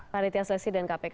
panitia seleksi dan kpk